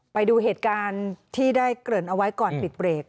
ไปดูเหตุการณ์ที่ได้เกริ่นเอาไว้ก่อนปิดเบรก